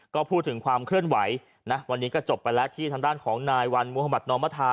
ก็พูดถึงความเคลื่อนไหวนะวันนี้ก็จบไปแล้วที่ทางด้านของนายวันมุธมัธนอมธา